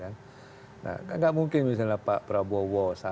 nah gak mungkin misalnya pak prabowo